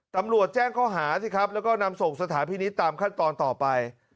ตำรวจแจ้งข้อหาสิครับแล้วก็นำส่งสถานพินิษฐ์ตามขั้นตอนต่อไป